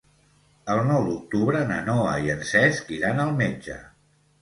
El nou d'octubre na Noa i en Cesc iran al metge.